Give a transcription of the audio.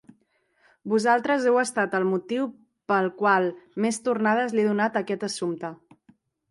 Vosaltres heu estat el motiu pel qual més tornades li he donat a aquest assumpte.